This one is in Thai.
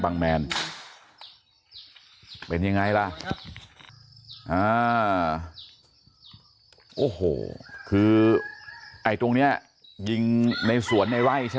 บังแมนเป็นยังไงล่ะโอ้โหคือไอ้ตรงนี้ยิงในสวนในไว้ใช่